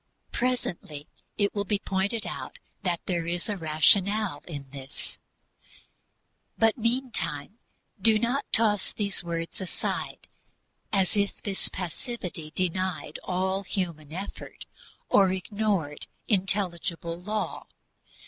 Presently it will be pointed out that there is a rationale in this; but meantime do not toss these words aside as if this passivity denied all human effort or ignored intelligible law.